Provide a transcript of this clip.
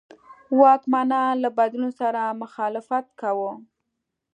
واکمنان له بدلون سره مخالفت کاوه.